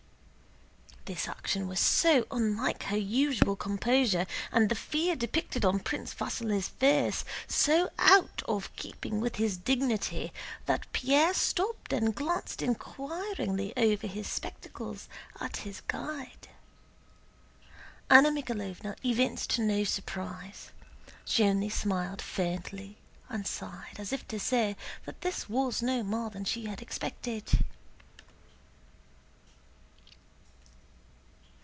This action was so unlike her usual composure and the fear depicted on Prince Vasíli's face so out of keeping with his dignity that Pierre stopped and glanced inquiringly over his spectacles at his guide. Anna Mikháylovna evinced no surprise, she only smiled faintly and sighed, as if to say that this was no more than she had expected.